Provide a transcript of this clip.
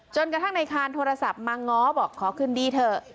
กระทั่งในคานโทรศัพท์มาง้อบอกขอคืนดีเถอะ